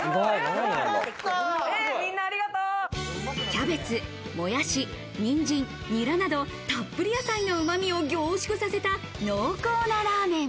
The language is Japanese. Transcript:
キャベツ、もやし、にんじん、ニラなど、たっぷり野菜のうまみを凝縮させた、濃厚なラーメン。